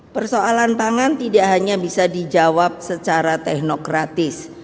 persoalan pangan tidak hanya bisa dijawab secara teknokratis